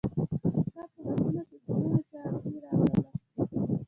چا په لاسونوکې ګلونه، چااغزي راوړله